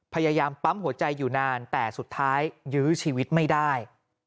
พยายามปั๊มหัวใจอยู่นานแต่สุดท้ายยื้อชีวิตไม่ได้